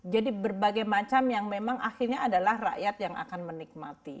jadi berbagai macam yang memang akhirnya adalah rakyat yang akan menikmati